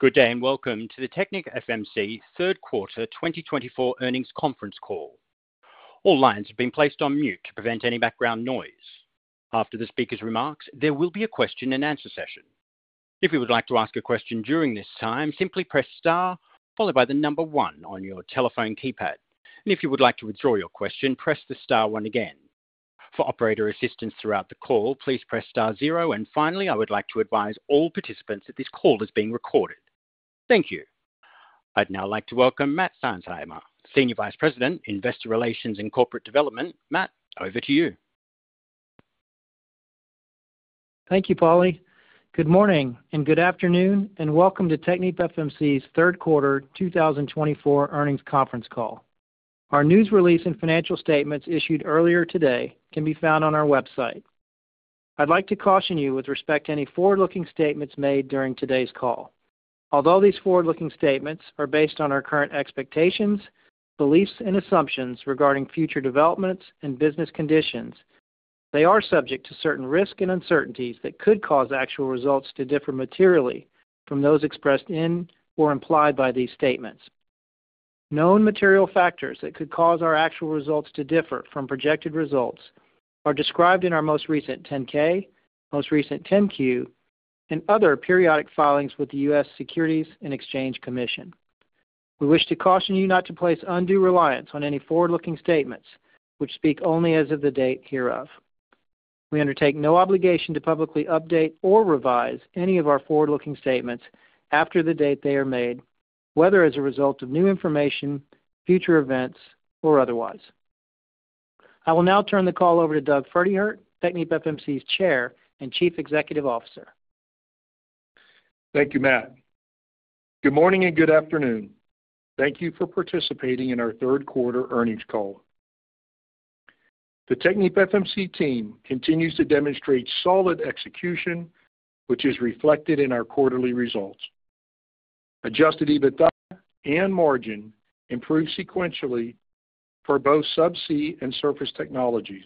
Good day, and welcome to the TechnipFMC Third Quarter Twenty Twenty-Four Earnings Conference Call. All lines have been placed on mute to prevent any background noise. After the speaker's remarks, there will be a question-and-answer session. If you would like to ask a question during this time, simply press star followed by the number one on your telephone keypad. If you would like to withdraw your question, press the star one again. For operator assistance throughout the call, please press star zero, and finally, I would like to advise all participants that this call is being recorded. Thank you. I'd now like to welcome Matt Seinsheimer, Senior Vice President, Investor Relations and Corporate Development. Matt, over to you. Thank you, Paulie. Good morning, and good afternoon, and welcome to TechnipFMC's Third Quarter twenty twenty-four Earnings Conference Call. Our news release and financial statements issued earlier today can be found on our website. I'd like to caution you with respect to any forward-looking statements made during today's call. Although these forward-looking statements are based on our current expectations, beliefs, and assumptions regarding future developments and business conditions, they are subject to certain risks and uncertainties that could cause actual results to differ materially from those expressed in or implied by these statements. Known material factors that could cause our actual results to differ from projected results are described in our most recent 10-K, most recent 10-Q, and other periodic filings with the U.S. Securities and Exchange Commission. We wish to caution you not to place undue reliance on any forward-looking statements which speak only as of the date hereof. We undertake no obligation to publicly update or revise any of our forward-looking statements after the date they are made, whether as a result of new information, future events, or otherwise. I will now turn the call over to Doug Pferdehirt, TechnipFMC's Chair and Chief Executive Officer. Thank you, Matt. Good morning and good afternoon. Thank you for participating in our third quarter earnings call. The TechnipFMC team continues to demonstrate solid execution, which is reflected in our quarterly results. Adjusted EBITDA and margin improved sequentially for both Subsea and Surface Technologies.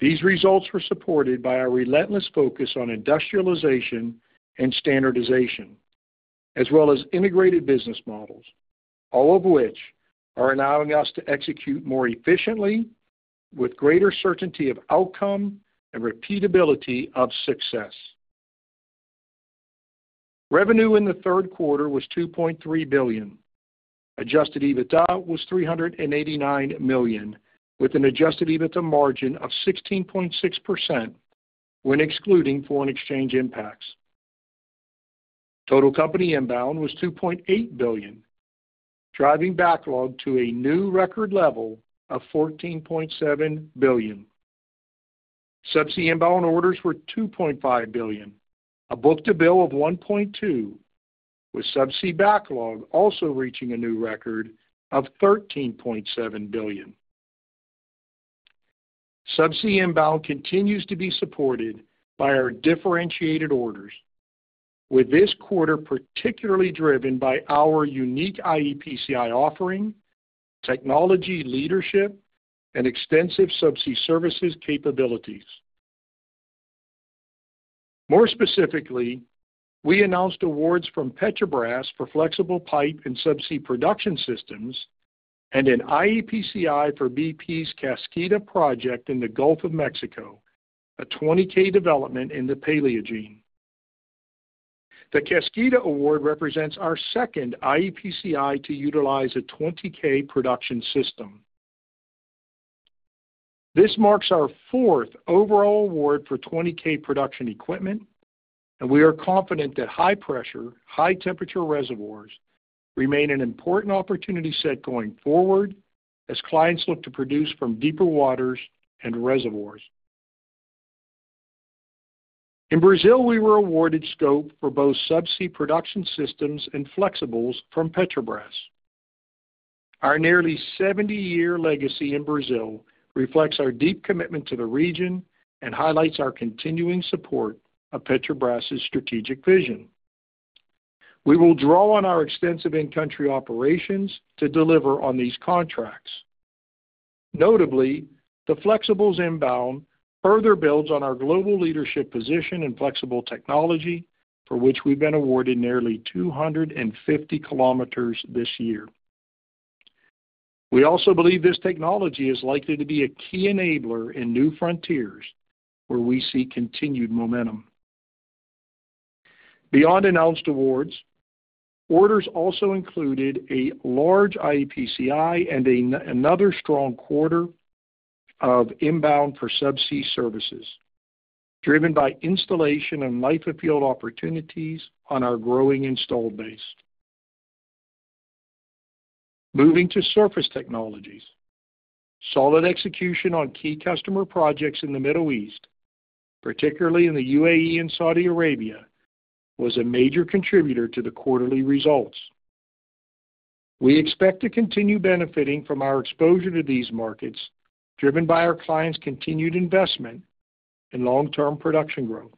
These results were supported by our relentless focus on industrialization and standardization, as well as integrated business models, all of which are allowing us to execute more efficiently with greater certainty of outcome and repeatability of success. Revenue in the third quarter was $2.3 billion. Adjusted EBITDA was $389 million, with an adjusted EBITDA margin of 16.6% when excluding foreign exchange impacts. Total company inbound was $2.8 billion, driving backlog to a new record level of $14.7 billion. Subsea inbound orders were $2.5 billion, a book-to-bill of 1.2, with subsea backlog also reaching a new record of $13.7 billion. Subsea inbound continues to be supported by our differentiated orders, with this quarter particularly driven by our unique iEPCI offering, technology leadership, and extensive subsea services capabilities. More specifically, we announced awards from Petrobras for flexible pipe and subsea production systems and an iEPCI for BP's Kaskida project in the Gulf of Mexico, a 20K development in the Paleogene. The Kaskida Award represents our second iEPCI to utilize a 20K production system. This marks our fourth overall award for 20K production equipment, and we are confident that high-pressure, high-temperature reservoirs remain an important opportunity set going forward as clients look to produce from deeper waters and reservoirs. In Brazil, we were awarded scope for both subsea production systems and flexibles from Petrobras. Our nearly 70-year legacy in Brazil reflects our deep commitment to the region and highlights our continuing support of Petrobras's strategic vision. We will draw on our extensive in-country operations to deliver on these contracts. Notably, the flexibles inbound further builds on our global leadership position in flexible technology, for which we've been awarded nearly 250 km this year. We also believe this technology is likely to be a key enabler in new frontiers where we see continued momentum. Beyond announced awards, orders also included a large iEPCI and another strong quarter of inbound for subsea services, driven by installation and life-of-field opportunities on our growing installed base. Moving to surface technologies. Solid execution on key customer projects in the Middle East, particularly in the UAE and Saudi Arabia, was a major contributor to the quarterly results. We expect to continue benefiting from our exposure to these markets, driven by our clients' continued investment in long-term production growth.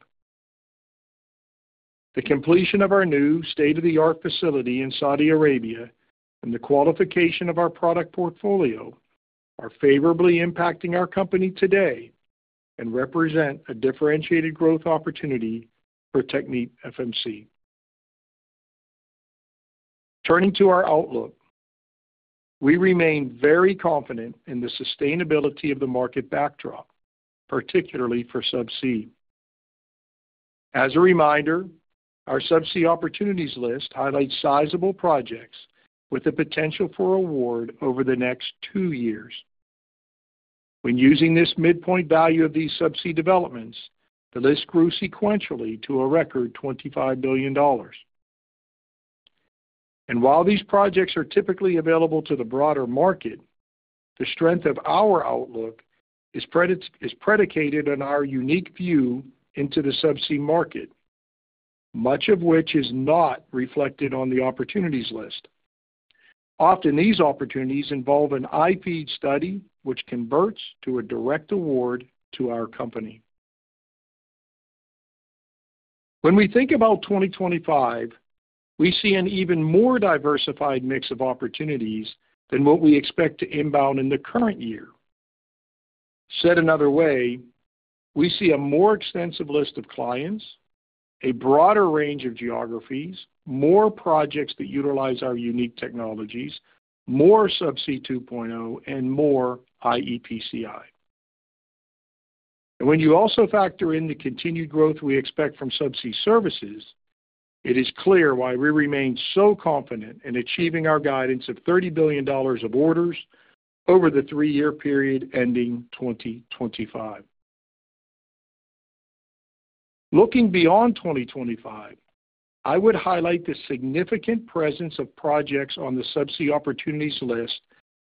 The completion of our new state-of-the-art facility in Saudi Arabia and the qualification of our product portfolio are favorably impacting our company today and represent a differentiated growth opportunity for TechnipFMC. Turning to our outlook, we remain very confident in the sustainability of the market backdrop, particularly for subsea. As a reminder, our subsea opportunities list highlights sizable projects with the potential for award over the next two years. When using this midpoint value of these subsea developments, the list grew sequentially to a record $25 billion. While these projects are typically available to the broader market, the strength of our outlook is predicated on our unique view into the subsea market, much of which is not reflected on the opportunities list. Often, these opportunities involve an IP study, which converts to a direct award to our company. When we think about 2025, we see an even more diversified mix of opportunities than what we expect to inbound in the current year. Said another way, we see a more extensive list of clients, a broader range of geographies, more projects that utilize our unique technologies, more Subsea 2.0, and more iEPCI. When you also factor in the continued growth we expect from subsea services, it is clear why we remain so confident in achieving our guidance of $30 billion of orders over the three-year period ending 2025. Looking beyond 2025, I would highlight the significant presence of projects on the subsea opportunities list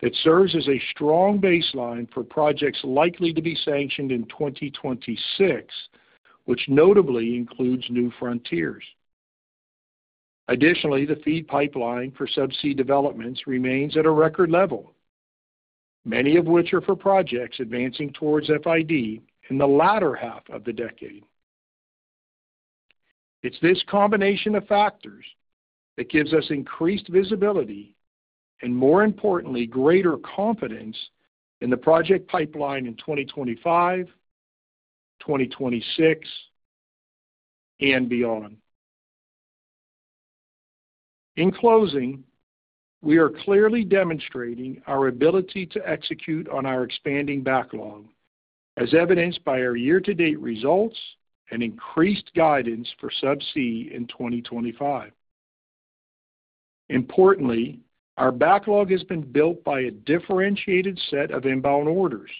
that serves as a strong baseline for projects likely to be sanctioned in 2026, which notably includes new frontiers. Additionally, the FEED pipeline for subsea developments remains at a record level, many of which are for projects advancing towards FID in the latter half of the decade. It's this combination of factors that gives us increased visibility, and more importantly, greater confidence in the project pipeline in 2025, 2026, and beyond. In closing, we are clearly demonstrating our ability to execute on our expanding backlog, as evidenced by our year-to-date results and increased guidance for subsea in 2025. Importantly, our backlog has been built by a differentiated set of inbound orders,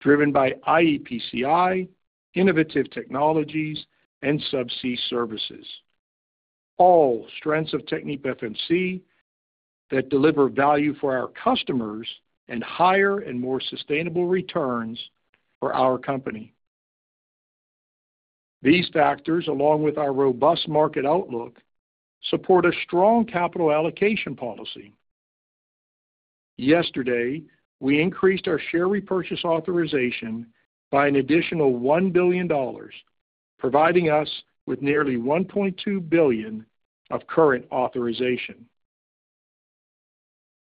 driven by iEPCI, innovative technologies, and subsea services, all strengths of TechnipFMC that deliver value for our customers and higher and more sustainable returns for our company. These factors, along with our robust market outlook, support a strong capital allocation policy. Yesterday, we increased our share repurchase authorization by an additional $1 billion, providing us with nearly $1.2 billion of current authorization.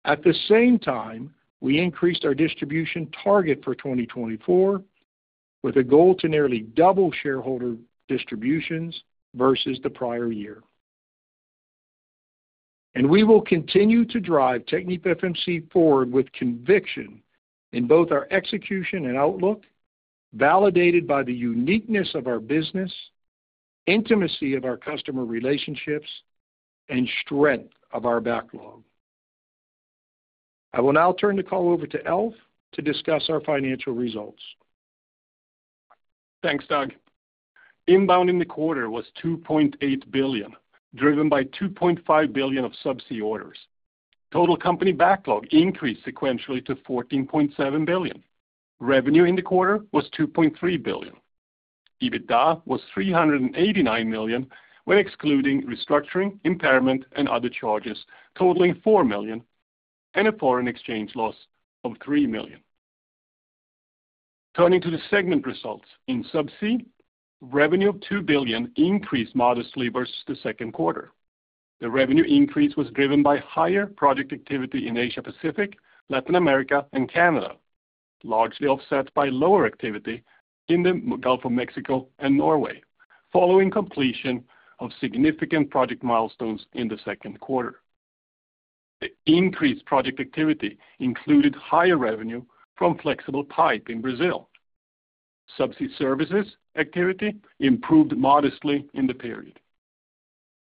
At the same time, we increased our distribution target for 2024, with a goal to nearly double shareholder distributions versus the prior year. We will continue to drive TechnipFMC forward with conviction in both our execution and outlook, validated by the uniqueness of our business, intimacy of our customer relationships, and strength of our backlog. I will now turn the call over to Alf to discuss our financial results. Thanks, Doug. Inbound in the quarter was $2.8 billion, driven by $2.5 billion of Subsea orders. Total company backlog increased sequentially to $14.7 billion. Revenue in the quarter was $2.3 billion. EBITDA was $389 million, when excluding restructuring, impairment, and other charges totaling $4 million and a foreign exchange loss of $3 million. Turning to the segment results, in Subsea, revenue of $2 billion increased modestly versus the second quarter. The revenue increase was driven by higher project activity in Asia Pacific, Latin America, and Canada, largely offset by lower activity in the Gulf of Mexico and Norway, following completion of significant project milestones in the second quarter. The increased project activity included higher revenue from Flexible Pipe in Brazil. Subsea services activity improved modestly in the period.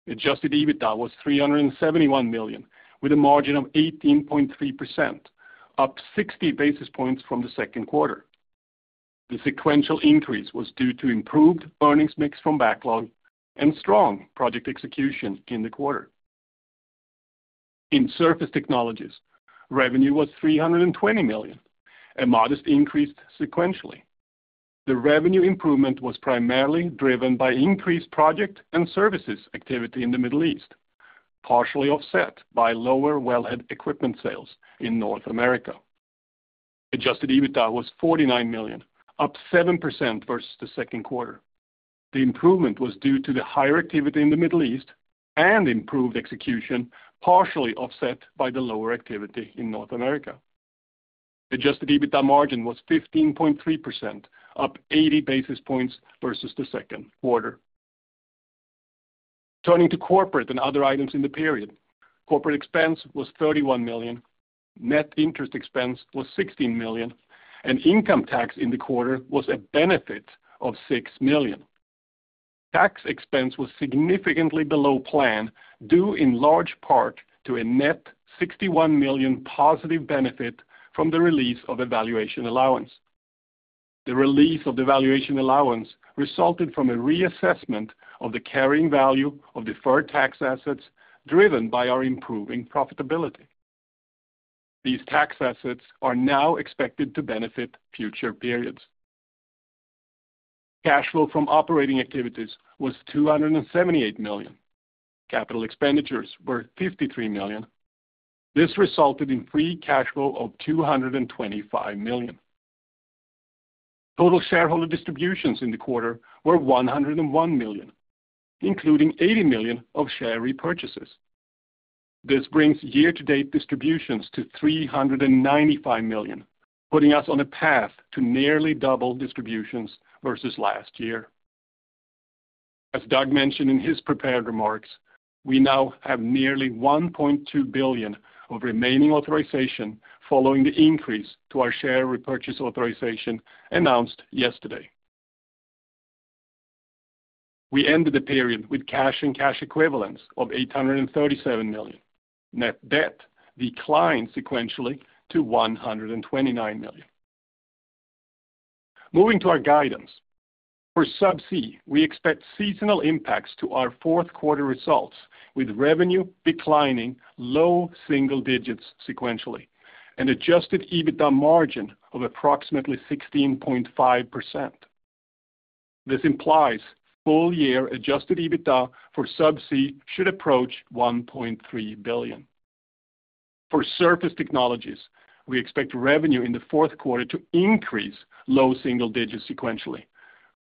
Adjusted EBITDA was $371 million, with a margin of 18.3%, up 60 basis points from the second quarter. The sequential increase was due to improved earnings mix from backlog and strong project execution in the quarter. In Surface Technologies, revenue was $320 million, a modest increase sequentially. The revenue improvement was primarily driven by increased project and services activity in the Middle East, partially offset by lower wellhead equipment sales in North America. Adjusted EBITDA was $49 million, up 7% versus the second quarter. The improvement was due to the higher activity in the Middle East and improved execution, partially offset by the lower activity in North America. Adjusted EBITDA margin was 15.3%, up 80 basis points versus the second quarter. Turning to corporate and other items in the period. Corporate expense was $31 million, net interest expense was $16 million, and income tax in the quarter was a benefit of $6 million. Tax expense was significantly below plan, due in large part to a net $61 million positive benefit from the release of a valuation allowance. The release of the valuation allowance resulted from a reassessment of the carrying value of deferred tax assets, driven by our improving profitability. These tax assets are now expected to benefit future periods. Cash flow from operating activities was $278 million. Capital expenditures were $53 million. This resulted in free cash flow of $225 million. Total shareholder distributions in the quarter were $101 million, including $80 million of share repurchases. This brings year-to-date distributions to $395 million, putting us on a path to nearly double distributions versus last year. As Doug mentioned in his prepared remarks, we now have nearly $1.2 billion of remaining authorization following the increase to our share repurchase authorization announced yesterday. We ended the period with cash and cash equivalents of $837 million. Net debt declined sequentially to $129 million. Moving to our guidance. For Subsea, we expect seasonal impacts to our fourth quarter results, with revenue declining low single digits sequentially, and adjusted EBITDA margin of approximately 16.5%. This implies full year adjusted EBITDA for Subsea should approach $1.3 billion. For Surface Technologies, we expect revenue in the fourth quarter to increase low single digits sequentially,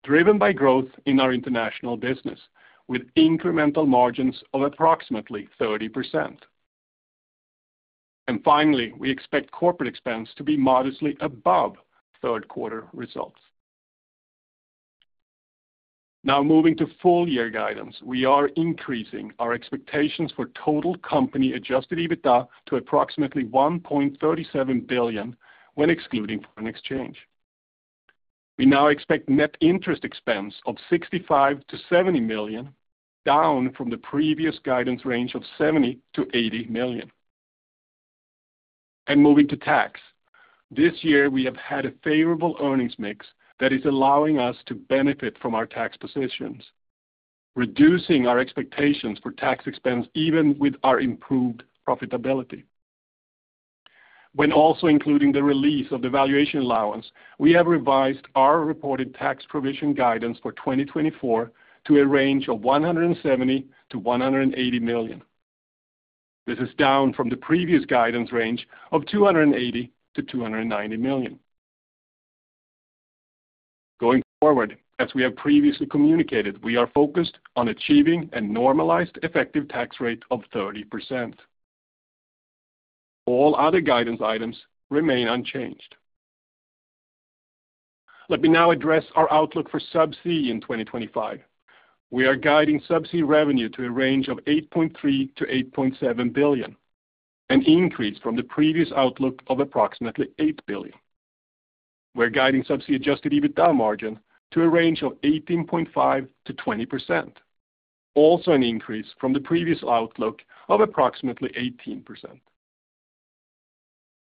driven by growth in our international business, with incremental margins of approximately 30%, and finally, we expect corporate expense to be modestly above third quarter results. Now, moving to full year guidance. We are increasing our expectations for total company Adjusted EBITDA to approximately $1.37 billion, when excluding foreign exchange. We now expect net interest expense of $65 million-$70 million, down from the previous guidance range of $70 million-$80 million. Moving to tax. This year, we have had a favorable earnings mix that is allowing us to benefit from our tax positions, reducing our expectations for tax expense, even with our improved profitability. When also including the release of the valuation allowance, we have revised our reported tax provision guidance for 2024 to a range of $170 million-$180 million. This is down from the previous guidance range of $280 million-$290 million. Going forward, as we have previously communicated, we are focused on achieving a normalized effective tax rate of 30%. All other guidance items remain unchanged. Let me now address our outlook for Subsea in 2025. We are guiding Subsea revenue to a range of $8.3-$8.7 billion, an increase from the previous outlook of approximately $8 billion. We're guiding Subsea Adjusted EBITDA margin to a range of 18.5%-20%, also an increase from the previous outlook of approximately 18%.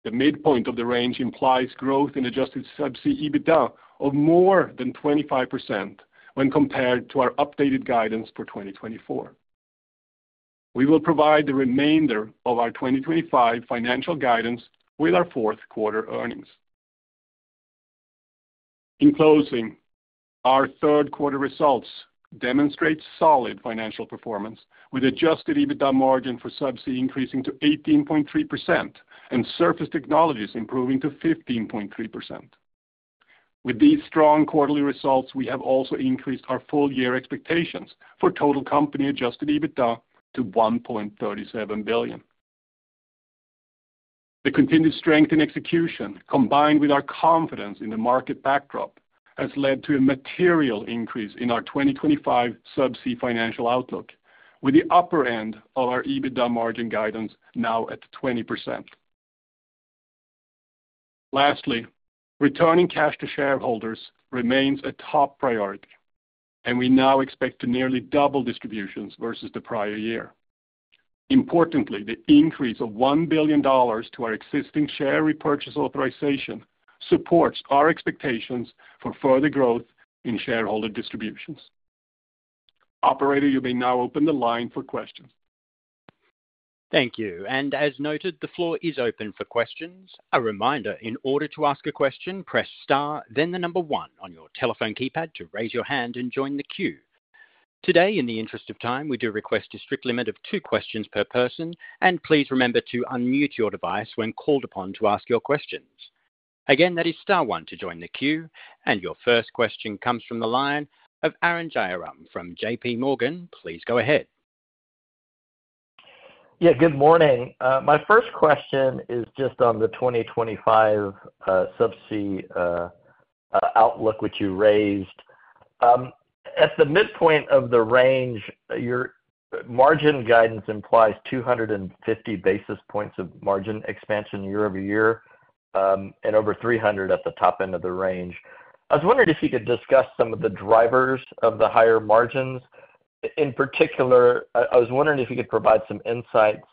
The midpoint of the range implies growth in Adjusted Subsea EBITDA of more than 25% when compared to our updated guidance for 2024. We will provide the remainder of our 2025 financial guidance with our fourth quarter earnings. In closing, our third quarter results demonstrate solid financial performance, with Adjusted EBITDA margin for Subsea increasing to 18.3% and Surface Technologies improving to 15.3%. With these strong quarterly results, we have also increased our full-year expectations for total company Adjusted EBITDA to $1.37 billion. The continued strength in execution, combined with our confidence in the market backdrop, has led to a material increase in our 2025 Subsea financial outlook, with the upper end of our EBITDA margin guidance now at 20%. Lastly, returning cash to shareholders remains a top priority, and we now expect to nearly double distributions versus the prior year. Importantly, the increase of $1 billion to our existing share repurchase authorization supports our expectations for further growth in shareholder distributions. Operator, you may now open the line for questions. Thank you. As noted, the floor is open for questions. A reminder, in order to ask a question, press star, then the number one on your telephone keypad to raise your hand and join the queue. Today, in the interest of time, we do request a strict limit of two questions per person, and please remember to unmute your device when called upon to ask your questions. Again, that is star one to join the queue, and your first question comes from the line of Arun Jayaram from J.P. Morgan. Please go ahead. Yeah, good morning. My first question is just on the twenty twenty-five subsea outlook, which you raised. At the midpoint of the range, your margin guidance implies two hundred and fifty basis points of margin expansion year over year, and over three hundred at the top end of the range. I was wondering if you could discuss some of the drivers of the higher margins. In particular, I was wondering if you could provide some insights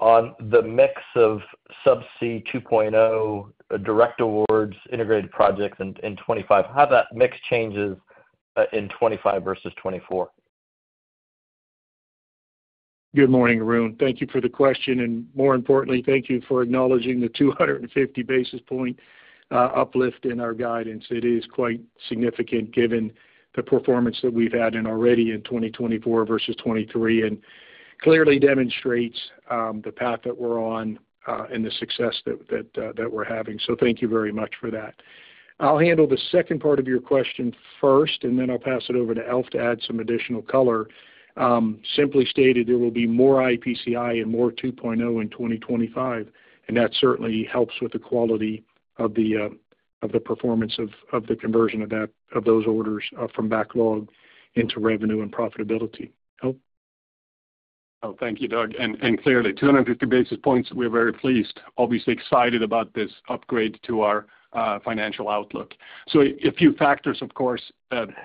on the mix of Subsea 2.0, direct awards, integrated projects in twenty five, how that mix changes in twenty five versus twenty four. Good morning, Arun. Thank you for the question, and more importantly, thank you for acknowledging the 250 basis points uplift in our guidance. It is quite significant given the performance that we've had already in 2024 versus 2023, and clearly demonstrates the path that we're on and the success that we're having. Thank you very much for that. I'll handle the second part of your question first, and then I'll pass it over to Alf to add some additional color. Simply stated, there will be more iEPCI and more 2.0 in 2025, and that certainly helps with the quality of the performance of the conversion of those orders from backlog into revenue and profitability. Alf? Oh, thank you, Doug. Clearly, 250 basis points, we are very pleased, obviously excited about this upgrade to our financial outlook. So a few factors, of course,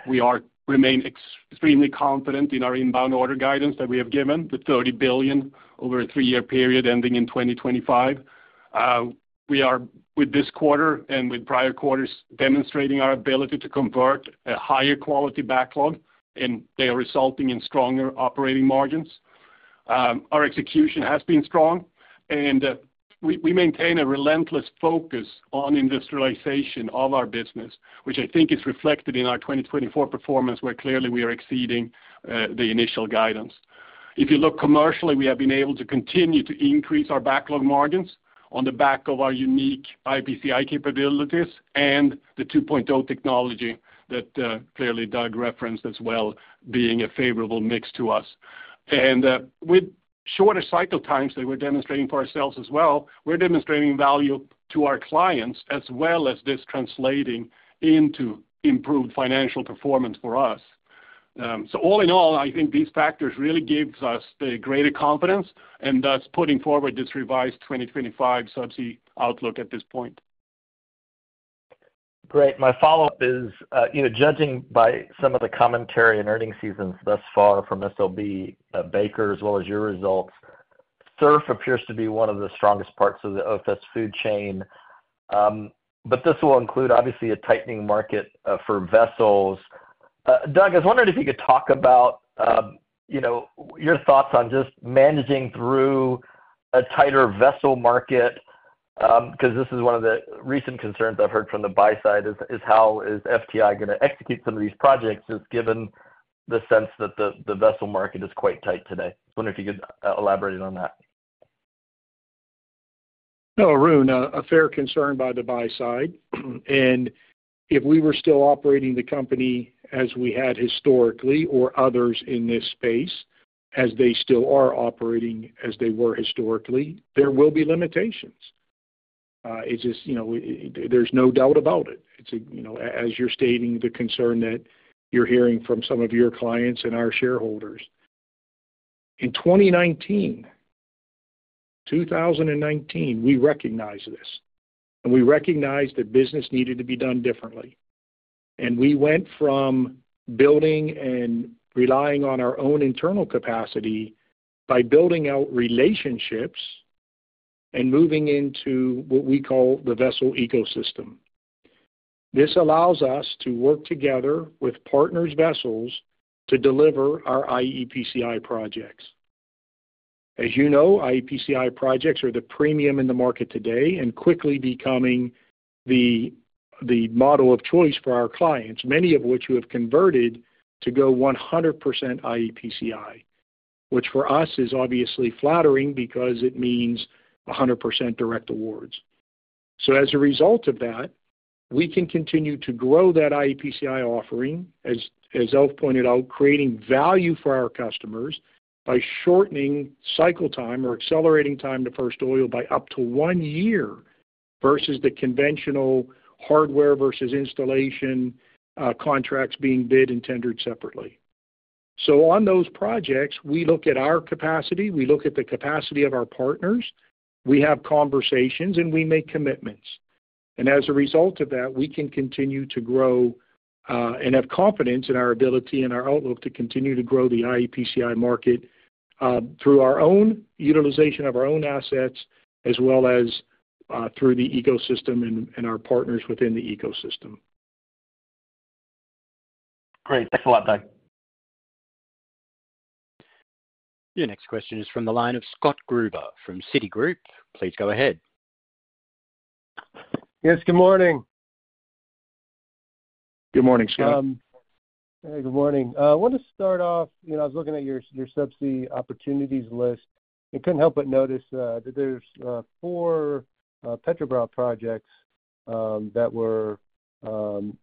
we are remain extremely confident in our inbound order guidance that we have given, the $30 billion over a three-year period ending in 2025. We are, with this quarter and with prior quarters, demonstrating our ability to convert a higher quality backlog, and they are resulting in stronger operating margins. Our execution has been strong, and we maintain a relentless focus on industrialization of our business, which I think is reflected in our 2024 performance, where clearly we are exceeding the initial guidance. If you look commercially, we have been able to continue to increase our backlog margins on the back of our unique iEPCI capabilities and the 2.0 technology that clearly Doug referenced as well being a favorable mix to us. With shorter cycle times that we're demonstrating for ourselves as well, we're demonstrating value to our clients as well as this translating into improved financial performance for us. So all in all, I think these factors really gives us the greater confidence, and thus putting forward this revised twenty twenty-five subsea outlook at this point. Great. My follow-up is, judging by some of the commentary and earnings season thus far from SLB, Baker, as well as your results, SURF appears to be one of the strongest parts of the offshore food chain. This will include, obviously, a tightening market, for vessels. Doug, I was wondering if you could talk about, your thoughts on just managing through a tighter vessel market, because this is one of the recent concerns I've heard from the buy side is, is how is FTI gonna execute some of these projects, just given the sense that the, the vessel market is quite tight today? I was wondering if you could, elaborate on that. No, Arun, a fair concern by the buy side. If we were still operating the company as we had historically, or others in this space, as they still are operating as they were historically, there will be limitations. It's just, there's no doubt about it. It's a as you're stating the concern that you're hearing from some of your clients and our shareholders. In twenty nineteen, we recognized this, and we recognized that business needed to be done differently. We went from building and relying on our own internal capacity by building out relationships and moving into what we call the vessel ecosystem. This allows us to work together with partners vessels to deliver our iEPCI projects. As iEPCI projects are the premium in the market today and quickly becoming the model of choice for our clients, many of which we have converted to go 100% iEPCI, which for us is obviously flattering because it means a 100% direct awards. As a result of that, we can continue to grow that iEPCI offering, as Alf pointed out, creating value for our customers by shortening cycle time or accelerating time to first oil by up to one year, versus the conventional hardware versus installation contracts being bid and tendered separately. So on those projects, we look at our capacity, we look at the capacity of our partners, we have conversations, and we make commitments. As a result of that, we can continue to grow and have confidence in our ability and our outlook to continue to grow the iEPCI market through our own utilization of our own assets, as well as through the ecosystem and our partners within the ecosystem. Great. Thanks a lot, Doug. Your next question is from the line of Scott Gruber from Citigroup. Please go ahead. Yes, good morning. Good morning, Scott. Hey, good morning. I wanted to start off, I was looking at your subsea opportunities list and couldn't help but notice that there's four Petrobras projects that were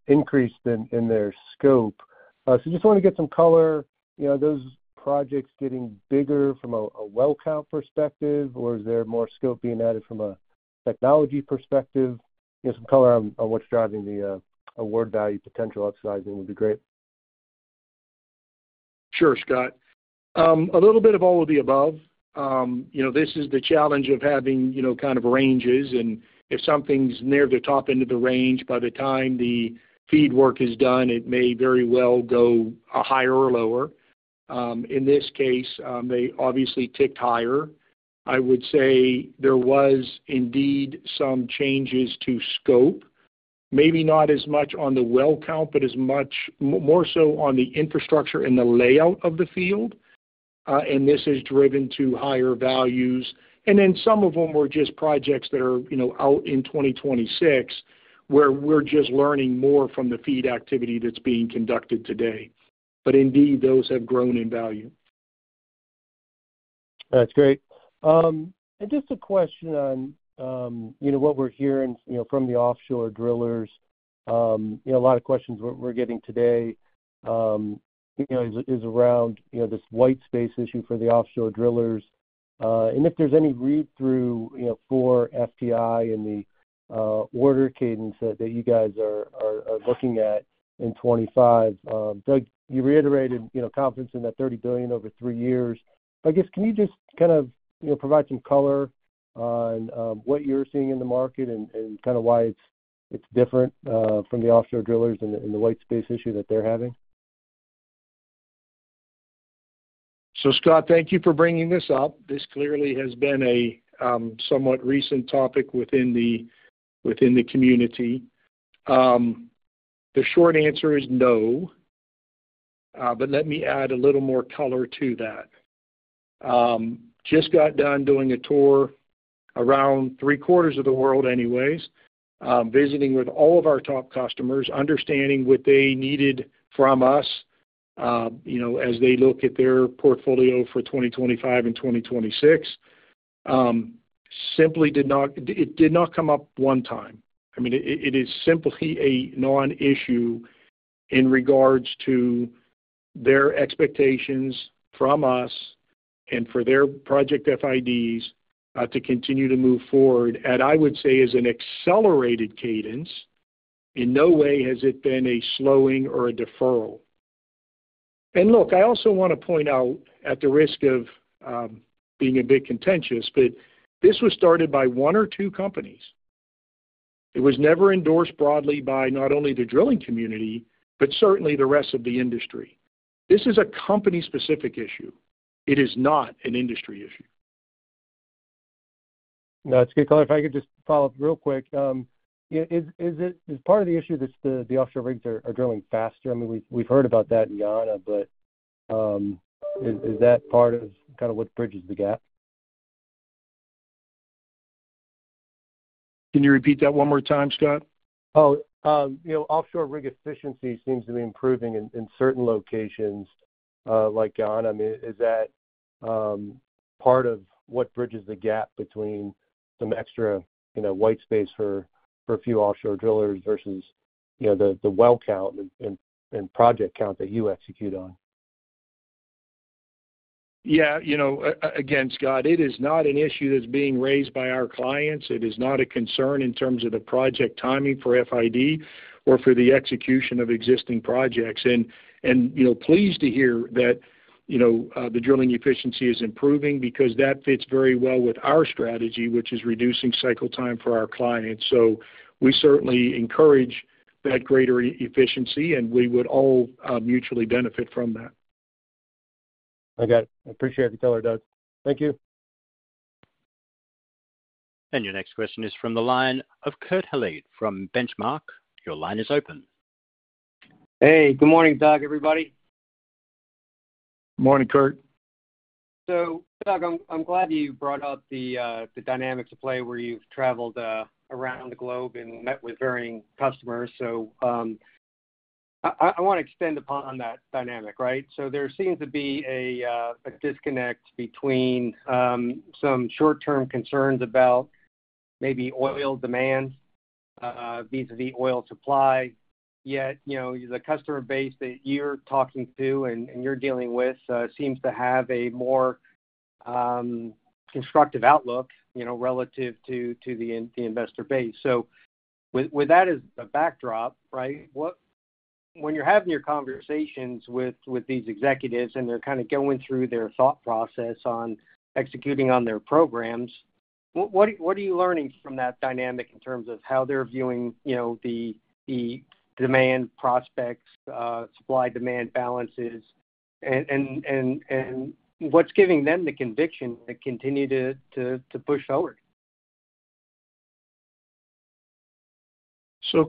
increased in their scope. Just want to get some color are those projects getting bigger from a well count perspective, or is there more scope being added from a technology perspective? Some color on what's driving the award value potential upsizing would be great. Sure, Scott. A little bit of all of the above. This is the challenge of having, ranges, and if something's near the top end of the range, by the time the FEED work is done, it may very well go, higher or lower. In this case, they obviously ticked higher. I would say there was indeed some changes to scope, maybe not as much on the well count, but as much more so on the infrastructure and the layout of the field, and this has driven to higher values. Then some of them were just projects that are, out in 2026, where we're just learning more from the FEED activity that's being conducted today. Indeed, those have grown in value. That's great. Just a question on, what we're hearing, you from the offshore drillers. A lot of questions we're getting today, is around, this white space issue for the offshore drillers, and if there's any read-through, for FTI in the order cadence that you guys are looking at in twenty-five. Doug, you reiterated, confidence in that thirty billion over three years. I guess, can you just provide some color on, what you're seeing in the market and why it's different, from the offshore drillers and the white space issue that they're having? Scott, thank you for bringing this up. This clearly has been a somewhat recent topic within the community. The short answer is no, but let me add a little more color to that. Just got done doing a tour around three quarters of the world anyways, visiting with all of our top customers, understanding what they needed from us, as they look at their portfolio for twenty twenty-five and twenty twenty-six. It simply did not come up one time. I mean, it is simply a non-issue in regards to their expectations from us and for their project FIDs to continue to move forward at, I would say, an accelerated cadence. In no way has it been a slowing or a deferral. I also want to point out, at the risk of being a bit contentious, but this was started by one or two companies. It was never endorsed broadly by not only the drilling community, but certainly the rest of the industry. This is a company-specific issue. It is not an industry issue. That's good color. If I could just follow up real quick. Yeah, is part of the issue that the offshore rigs are drilling faster? I mean, we've heard about that in Guyana, but is that part of what bridges the gap? Can you repeat that one more time, Scott? Offshore rig efficiency seems to be improving in certain locations, like Guyana. I mean, is that part of what bridges the gap between some extra, white space for a few offshore drillers versus the well count and project count that you execute on? Again, Scott, it is not an issue that's being raised by our clients. It is not a concern in terms of the project timing for FID or for the execution of existing projects. Pleased to hear that the drilling efficiency is improving because that fits very well with our strategy, which is reducing cycle time for our clients. We certainly encourage that greater efficiency, and we would all, mutually benefit from that. Okay. I appreciate the color, Doug. Thank you. Your next question is from the line of Kurt Hallead from Benchmark. Your line is open. Hey, good morning, Doug, everybody. Morning, Kurt. Doug, I'm glad you brought up the dynamics at play where you've traveled around the globe and met with varying customers. I want to expand upon that dynamic, right? There seems to be a disconnect between some short-term concerns about maybe oil demand vis-a-vis oil supply. Yet the customer base that you're talking to and you're dealing with seems to have a more constructive outlook relative to the investor base. With that as the backdrop, right, what, when you're having your conversations with these executives, and they're going through their thought process on executing on their programs, what are you learning from that dynamic in terms of how they're viewing the demand prospects, supply-demand balances, and what's giving them the conviction to continue to push forward?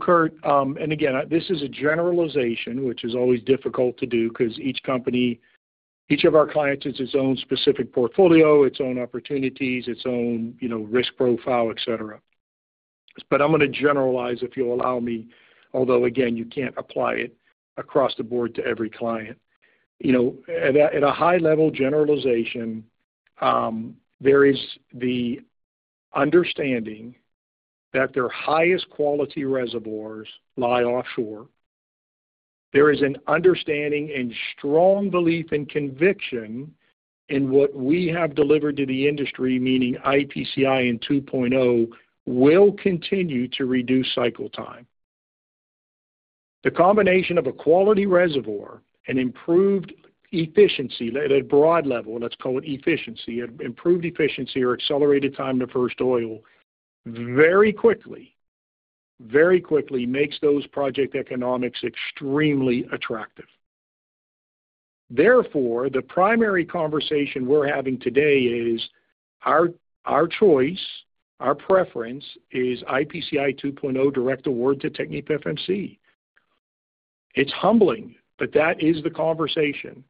Kurt, and again, this is a generalization, which is always difficult to do because each company. Each of our clients has its own specific portfolio, its own opportunities, its own, risk profile, et cetera. I'm going to generalize, if you'll allow me, although again, you can't apply it across the board to every client. At a high-level generalization, there is the understanding that their highest quality reservoirs lie offshore. There is an understanding and strong belief and conviction in what we have delivered to the industry, meaning iEPCI in 2.0, will continue to reduce cycle time. The combination of a quality reservoir and improved efficiency, at a broad level, let's call it efficiency, improved efficiency or accelerated time to first oil, very quickly, very quickly makes those project economics extremely attractive. Therefore, the primary conversation we're having today is our choice, our preference is iEPCI 2.0 direct award to TechnipFMC. It's humbling, but that is the conversation,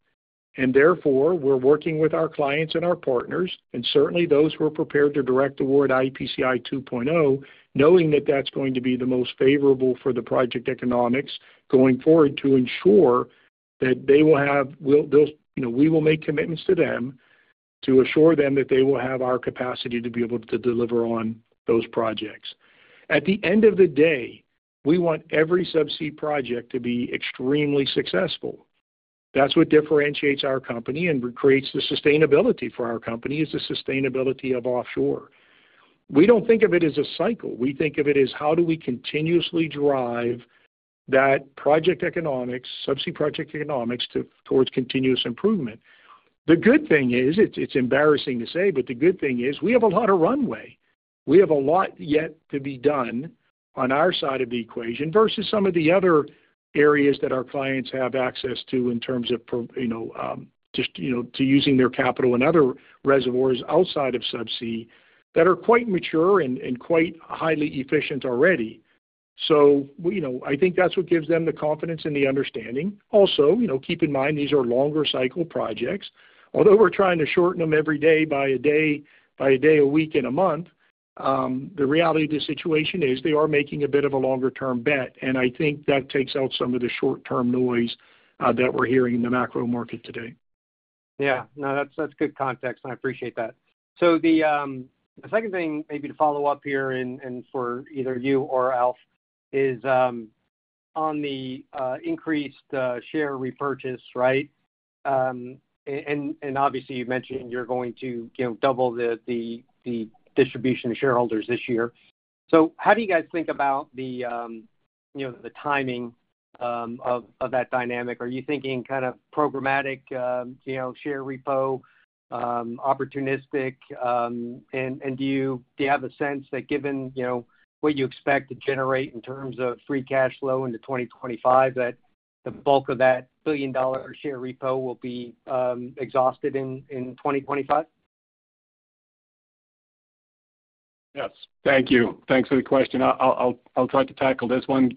and therefore, we're working with our clients and our partners, and certainly those who are prepared to direct award iEPCI 2.0, knowing that that's going to be the most favorable for the project economics going forward to ensure that they will have. We'll, they'll we will make commitments to them to assure them that they will have our capacity to be able to deliver on those projects. At the end of the day, we want every subsea project to be extremely successful. That's what differentiates our company and creates the sustainability for our company, is the sustainability of offshore. We don't think of it as a cycle. We think of it as how do we continuously drive that project economics, subsea project economics, towards continuous improvement. The good thing is, it's embarrassing to say, but the good thing is we have a lot of runway. We have a lot yet to be done on our side of the equation versus some of the other areas that our clients have access to in terms of just to using their capital and other reservoirs outside of subsea that are quite mature and quite highly efficient already. I think that's what gives them the confidence and the understanding. Also keep in mind, these are longer cycle projects. Although we're trying to shorten them every day by a day, by a day, a week, and a month, the reality of the situation is they are making a bit of a longer-term bet, and I think that takes out some of the short-term noise that we're hearing in the macro market today. Yeah. No, that's, that's good context, and I appreciate that. The second thing maybe to follow up here and for either you or Alf is on the increased share repurchase, right? Obviously, you've mentioned you're going to double the distribution to shareholders this year. How do you guys think about the timing of that dynamic? You thinking programmatic share repo, opportunistic, and do you have a sense that given what you expect to generate in terms of free cash flow into twenty twenty-five, that the bulk of that billion-dollar share repo will be exhausted in 2025? Thank you. Thanks for the question. I'll try to tackle this one.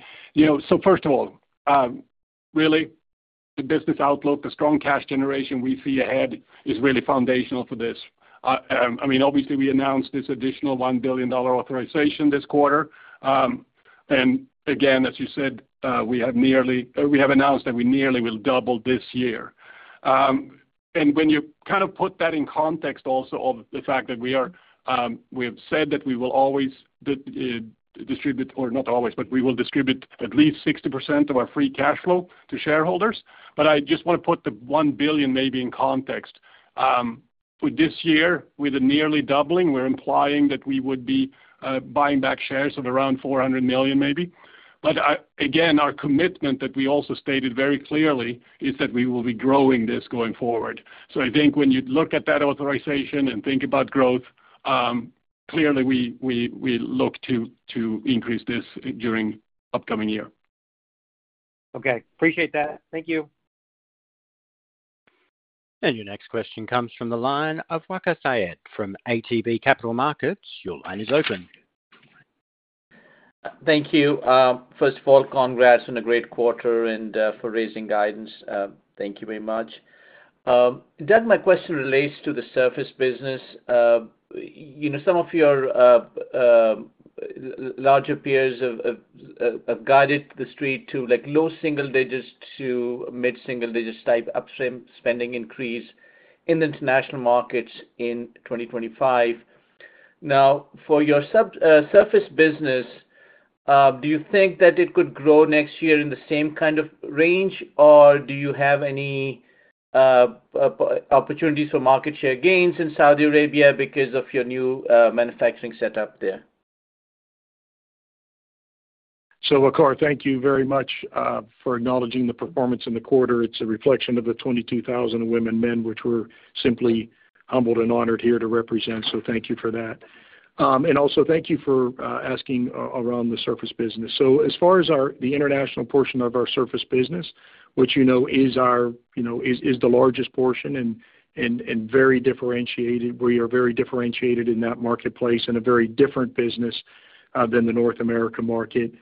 First of all, really, the business outlook, the strong cash generation we see ahead is really foundational for this. I mean, obviously, we announced this additional $1 billion authorization this quarter. Again, as you said, we have announced that we nearly will double this year. When you put that in context also of the fact that we are, we have said that we will always distribute, or not always, but we will distribute at least 60% of our free cash flow to shareholders. I just want to put the one billion maybe in context. With this year, with the nearly doubling, we're implying that we would be buying back shares of around $400 million maybe. Again, our commitment that we also stated very clearly is that we will be growing this going forward. When you look at that authorization and think about growth, clearly we look to increase this during upcoming year. Okay. Appreciate that. Thank you. Your next question comes from the line of Waqar Syed from ATB Capital Markets. Your line is open. Thank you. First of all, congrats on a great quarter and for raising guidance. Thank you very much. Doug, my question relates to the surface business. Some of your larger peers have guided the street to, like, low single digits to mid single digits type upstream spending increase in the international markets in twenty twenty-five. Now, for your surface business, do you think that it could grow next year in the same range, or do you have any opportunities for market share gains in Saudi Arabia because of your new manufacturing setup there? Waqar, thank you very much for acknowledging the performance in the quarter. It's a reflection of the 22,000 women, men, which we're simply humbled and honored here to represent. Thank you for that. Also thank you for asking around the surface business. As far as our the international portion of our surface business, which is our is the largest portion and very differentiated. We are very differentiated in that marketplace and a very different business than the North America market.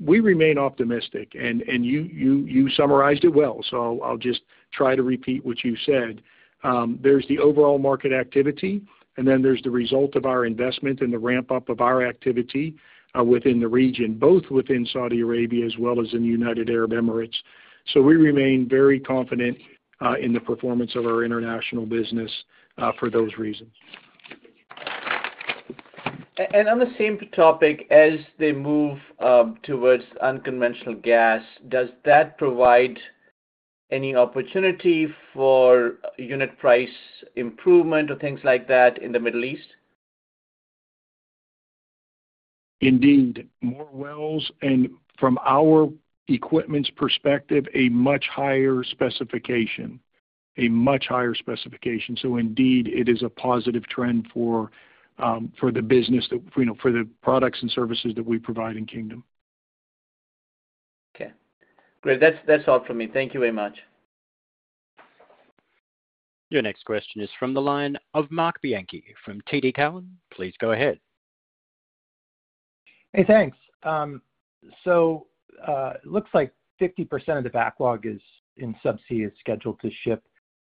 We remain optimistic, and you summarized it well, so I'll just try to repeat what you said. There's the overall market activity, and then there's the result of our investment and the ramp-up of our activity within the region, both within Saudi Arabia as well as in the United Arab Emirates. We remain very confident in the performance of our international business for those reasons. On the same topic, as they move towards unconventional gas, does that provide any opportunity for unit price improvement or things like that in the Middle East? Indeed, more wells, and from our equipment's perspective, a much higher specification. A much higher specification. Indeed, it is a positive trend for, for the business that for the products and services that we provide in Kingdom. Okay, great. That's, that's all for me. Thank you very much. Your next question is from the line of Marc Bianchi from TD Cowen. Please go ahead. Hey, thanks. So, looks like 50% of the backlog in Subsea is scheduled to ship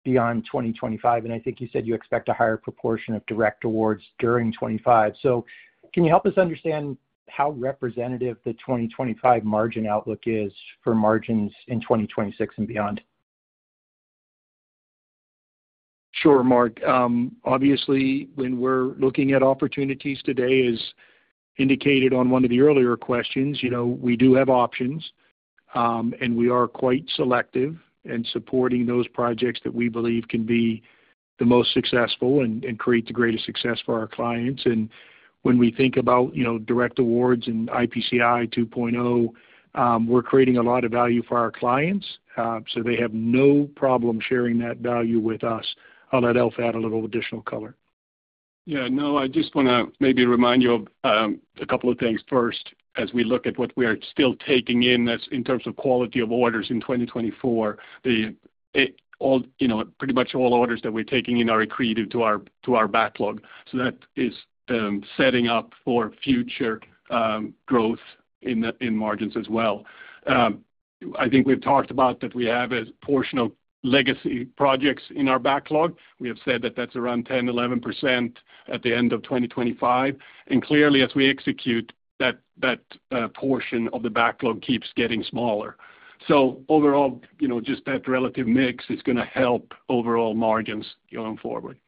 beyond 2025, and I think you said you expect a higher proportion of direct awards during 2025. So can you help us understand how representative the 2025 margin outlook is for margins in 2026 and beyond? Mark. Obviously, when we're looking at opportunities today, as indicated on one of the earlier questions, we do have options, and we are quite selective in supporting those projects that we believe can be the most successful and create the greatest success for our clients. When we think about, direct awards and iEPCI 2.0, we're creating a lot of value for our clients, so they have no problem sharing that value with us. I'll let Alf add a little additional color. Yeah. No, I just wanna maybe remind you of a couple of things first, as we look at what we are still taking in, that's in terms of quality of orders in 2024. The it all pretty much all orders that we're taking in are accretive to our backlog. That is setting up for future growth in the margins as well. I think we've talked about that we have a portion of legacy projects in our backlog. We have said that that's around 10-11% at the end of 2025, and clearly, as we execute, that portion of the backlog keeps getting smaller. Overall just that relative mix is gonna help overall margins going forward.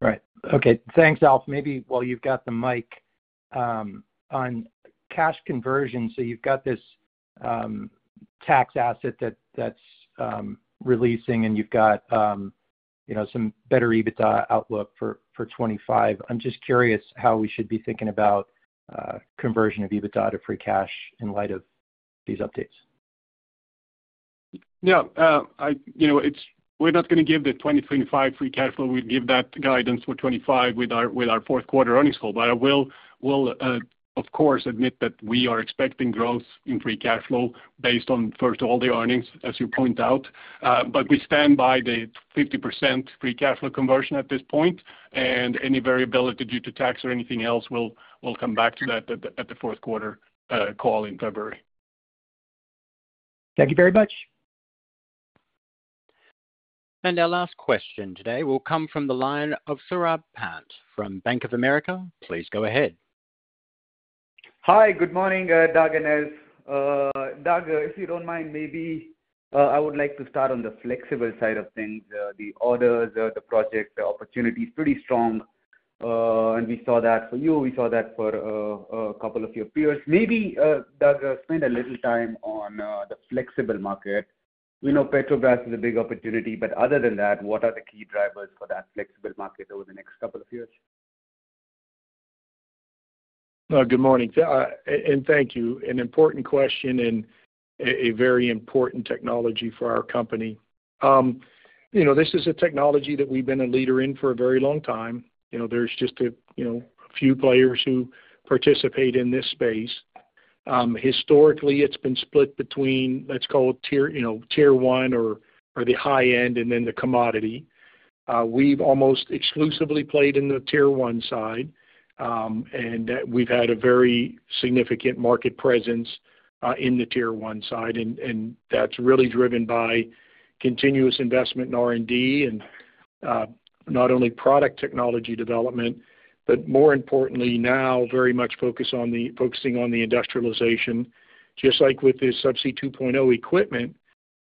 Right. Okay, thanks, Alf. Maybe while you've got the mic, on cash conversion, so you've got this tax asset that's releasing, and you've got some better EBITDA outlook for 2025. I'm just curious how we should be thinking about conversion of EBITDA to free cash in light of these updates. We're not gonna give the 2025 free cash flow. We give that guidance for 2025 with our fourth quarter earnings call, but I will of course admit that we are expecting growth in free cash flow based on, first of all, the earnings, as you point out, but we stand by the 50% free cash flow conversion at this point, and any variability due to tax or anything else, we'll come back to that at the fourth quarter call in February. Thank you very much. Our last question today will come from the line of Saurabh Pant from Bank of America. Please go ahead. Hi, good morning, Doug and Alf. Doug, if you don't mind, maybe, I would like to start on the flexible side of things. The orders, the projects, the opportunity is pretty strong, and we saw that for you. We saw that for, a couple of your peers. Maybe, Doug, spend a little time on, the flexible market. We know Petrobras is a big opportunity, but other than that, what are the key drivers for that flexible market over the next couple of years? Good morning, and thank you. An important question and a very important technology for our company. This is a technology that we've been a leader in for a very long time. There's just a few players who participate in this space. Historically, it's been split between, let's call tier one or the high end, and then the commodity. We've almost exclusively played in the tier one side, and we've had a very significant market presence in the tier one side. That's really driven by continuous investment in R&D and not only product technology development, but more importantly now, very much focus on the, focusing on the industrialization. Just like with the Subsea 2.0 equipment,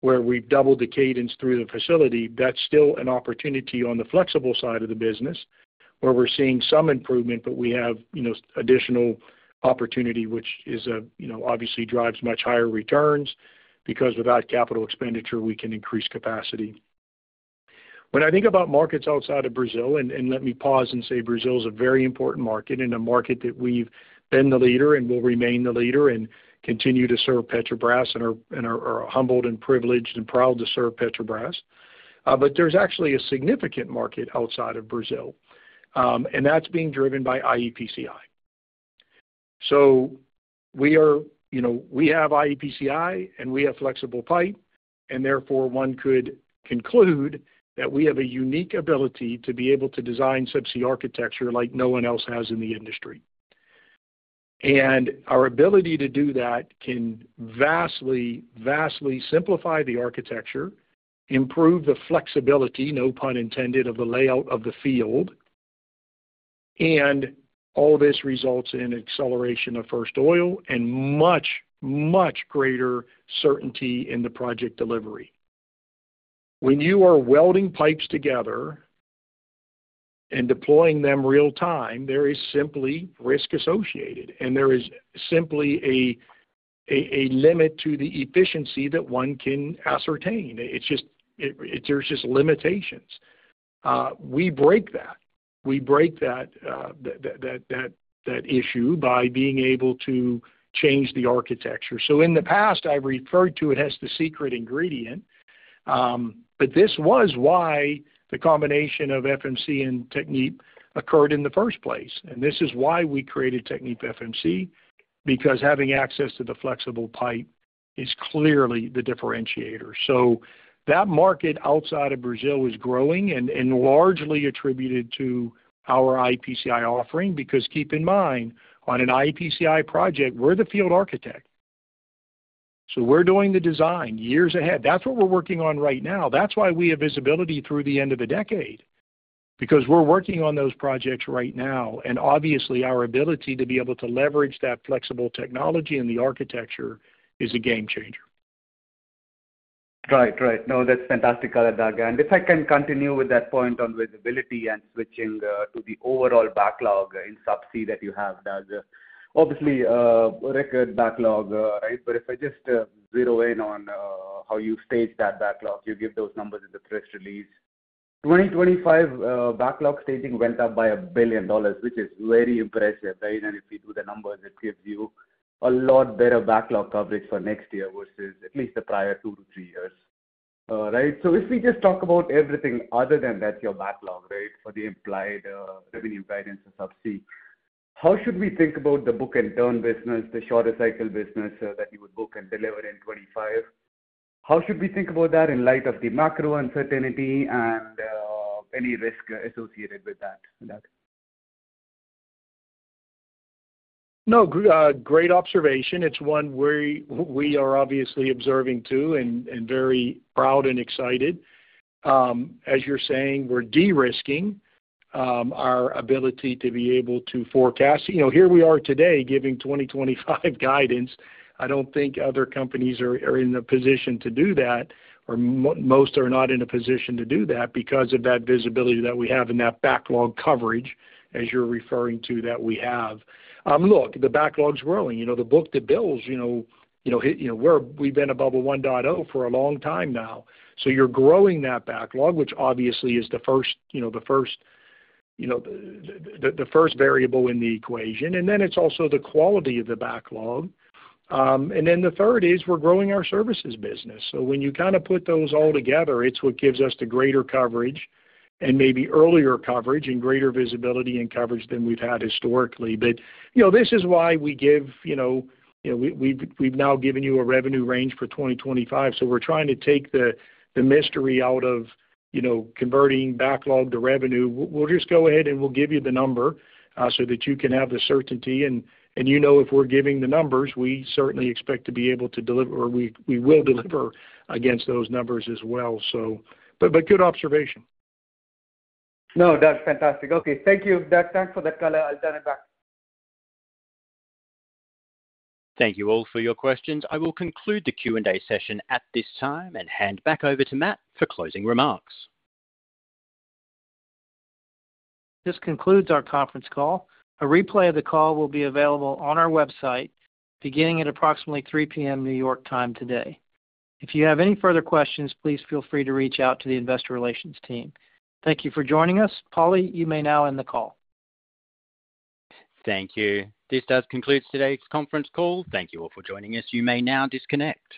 where we've doubled the cadence through the facility, that's still an opportunity on the flexible side of the business, where we're seeing some improvement, but we have, additional opportunity, which is obviously drives much higher returns, because without capital expenditure, we can increase capacity. When I think about markets outside of Brazil, and let me pause and say Brazil is a very important market, and a market that we've been the leader and will remain the leader and continue to serve Petrobras and are humbled and privileged and proud to serve Petrobras, but there's actually a significant market outside of Brazil, and that's being driven by IEPCI. We have iEPCI, and we have flexible pipe, and therefore, one could conclude that we have a unique ability to be able to design subsea architecture like no one else has in the industry. Our ability to do that can vastly, vastly simplify the architecture, improve the flexibility, no pun intended, of the layout of the field, and all this results in acceleration of first oil and much, much greater certainty in the project delivery. When you are welding pipes together and deploying them real time, there is simply risk associated, and there is simply a limit to the efficiency that one can ascertain. It's just, there's just limitations. We break that. We break that issue by being able to change the architecture. In the past, I've referred to it as the secret ingredient, but this was why the combination of FMC and Technip occurred in the first place. This is why we created TechnipFMC, because having access to the flexible pipe is clearly the differentiator. So that market outside of Brazil is growing and largely attributed to our iEPCI offering. Because keep in mind, on an iEPCI project, we're the field architect, so we're doing the design years ahead. That's what we're working on right now. That's why we have visibility through the end of the decade, because we're working on those projects right now, and obviously, our ability to be able to leverage that flexible technology and the architecture is a game changer. Right. Right. No, that's fantastic color, Doug. If I can continue with that point on visibility and switching to the overall backlog in Subsea that you have, Doug. Obviously, record backlog, right? If I just zero in on how you stage that backlog, you give those numbers in the press release. 2025 backlog staging went up by $1 billion, which is very impressive, right? And if you do the numbers, it gives you a lot better backlog coverage for next year versus at least the prior two to three years. Right? So if we just talk about everything other than that, your backlog, right, for the implied revenue guidance in Subsea, how should we think about the book-and-turn business, the shorter cycle business that you would book and deliver in 2025? How should we think about that in light of the macro uncertainty and, any risk associated with that, Doug? No, great observation. It's one we are obviously observing too, and very proud and excited. As you're saying, we're de-risking our ability to be able to forecast. Here we are today giving 2025 guidance. I don't think other companies are in a position to do that, or most are not in a position to do that because of that visibility that we have and that backlog coverage, as you're referring to, that we have. Look, the backlog's growing. The book-to-bill, we're we've been above a 1.0 for a long time now. You're growing that backlog, which obviously is the first variable in the equation, and then it's also the quality of the backlog. Then the third is we're growing our services business. When you put those all together, it's what gives us the greater coverage and maybe earlier coverage and greater visibility and coverage than we've had historically. This is why we give. We've now given you a revenue range for 2025, so we're trying to take the mystery out of converting backlog to revenue. We'll just go ahead, and we'll give you the number, so that you can have the certainty. If we're giving the numbers, we certainly expect to be able to deliver, or we will deliver against those numbers as well, so the good observation. No, that's fantastic. Okay, thank you, Doug. Thanks for that color. I'll turn it back. Thank you all for your questions. I will conclude the Q&A session at this time and hand back over to Matt for closing remarks. This concludes our conference call. A replay of the call will be available on our website beginning at approximately 3 P.M. New York time today. If you have any further questions, please feel free to reach out to the investor relations team. Thank you for joining us. Paulie, you may now end the call. Thank you. This does conclude today's conference call. Thank you all for joining us. You may now disconnect.